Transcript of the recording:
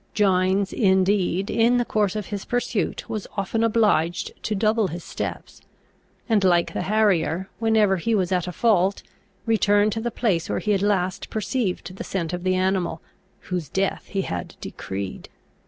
Gines indeed, in the course of his pursuit, was often obliged to double his steps; and, like the harrier, whenever he was at a fault, return to the place where he had last perceived the scent of the animal whose death he had decreed.